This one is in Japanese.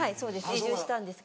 移住したんですけど。